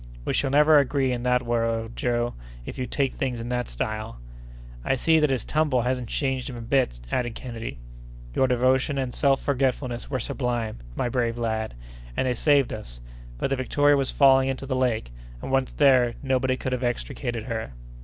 "We shall never agree in the world, Joe, if you take things in that style." "I see that his tumble hasn't changed him a bit," added Kennedy. "Your devotion and self forgetfulness were sublime, my brave lad, and they saved us, for the Victoria was falling into the lake, and, once there, nobody could have extricated her."